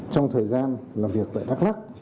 trong thời gian làm việc tại đắk lắc